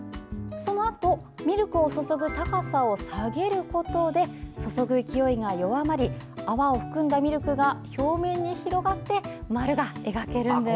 そのあと、ミルクを注ぐ高さを下げることで注ぐ勢いが弱まり泡を含んだミルクが表面に広がって丸が描けるんです。